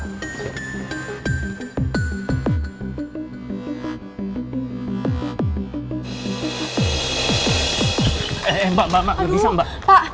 eh eh eh pak pak pak gak bisa mbak